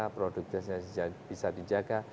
produktivitasnya bisa dijaga